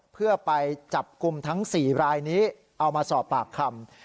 เพื่อไปจับกลุ่มทั้ง๔รายนี้เอามาสอบปากคำ